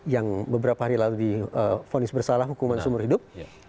yang beberapa hari lalu difonis bersalah hukuman seumur hidup